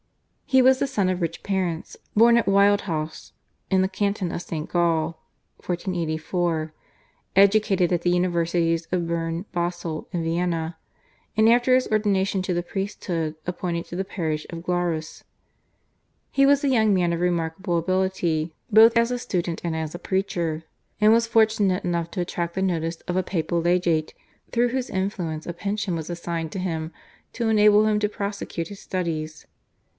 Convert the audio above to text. He was the son of rich parents, born at Wildhaus, in the canton of Saint Gall (1484), educated at the Universities of Berne, Basle, and Vienna, and after his ordination to the priesthood, appointed to the parish of Glarus. He was a young man of remarkable ability both as a student and as a preacher, and was fortunate enough to attract the notice of a papal legate, through whose influence a pension was assigned to him to enable him to prosecute his studies.